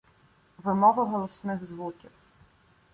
Вимова голосних звуків